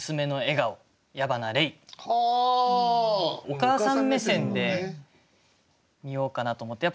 お母さん目線で見ようかなと思って。